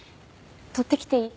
取ってきていい？